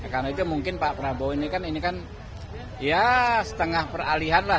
karena itu mungkin pak prabowo ini kan setengah peralihan lah